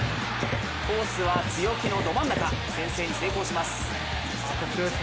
コースは強気のど真ん中先制に成功します。